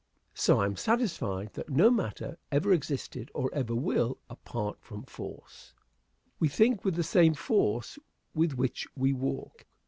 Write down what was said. So I am satisfied that no matter ever existed, or ever will, apart from force. We think with the same force with which we walk.